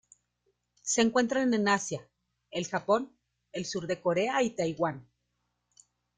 Se encuentran en Asia: el Japón, el sur de Corea y Taiwán.